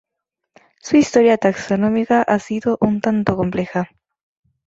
Su historia taxonómica ha sido un tanto compleja.